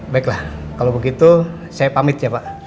baiklah kalau begitu saya pamit ya pak